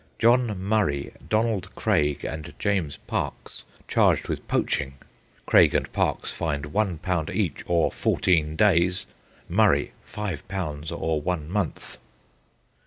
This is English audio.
John Murray, Donald Craig, and James Parkes, charged with poaching. Craig and Parkes fined £1 each or fourteen days; Murray, £5 or one month.